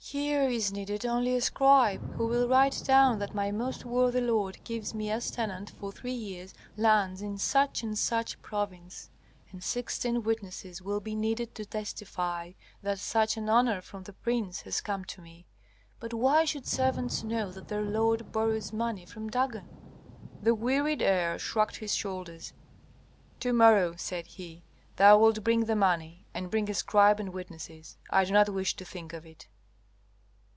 Here is needed only a scribe who will write down that my most worthy lord gives me as tenant for three years lands in such and such a province. And sixteen witnesses will be needed to testify that such an honor from the prince has come to me. But why should servants know that their lord borrows money from Dagon?" The wearied heir shrugged his shoulders. "To morrow," said he, "thou wilt bring the money, and bring a scribe and witnesses. I do not wish to think of it."